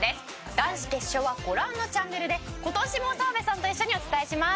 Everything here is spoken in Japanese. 男子決勝はご覧のチャンネルで今年も澤部さんと一緒にお伝えします。